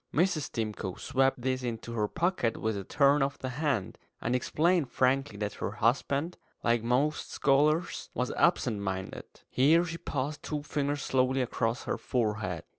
Mrs. Stimcoe swept this into her pocket with a turn of the hand, and explained frankly that her husband, like most scholars, was absent minded. Here she passed two fingers slowly across her forehead.